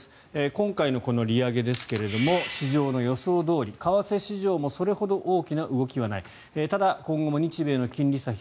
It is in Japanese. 今回のこの利上げですけども市場の予想どおり為替市場もそれほど大きな動きはないただ今後も日米の金利差が